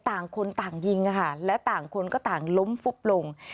ต่างคนต่างยิงค่ะและต่างคนก็ต่างล้มฟุบลง